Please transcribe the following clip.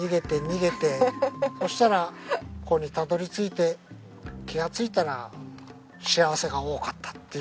そしたらここにたどり着いて気がついたら幸せが多かったっていう。